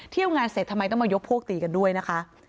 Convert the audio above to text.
เที่ยวงานเสร็จทำไมต้องมายกพวกตีกันด้วยนะคะ